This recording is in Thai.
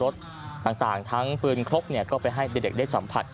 ต่างทั้งปืนครกก็ไปให้เด็กได้สัมผัส